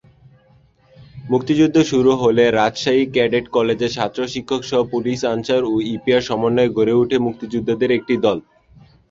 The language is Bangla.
মুক্তিযুদ্ধ শুরু হলে রাজশাহী ক্যাডেট কলেজের ছাত্র-শিক্ষকসহ পুলিশ-আনসার ও ইপিআর সমন্বয়ে গড়ে ওঠে মুক্তিযোদ্ধাদের একটি দল।